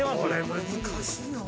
「これ難しいよ」